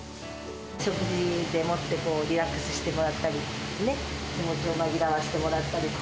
食事でもってこう、リラックスしてもらったり、気持ちを紛らわせてもらったり。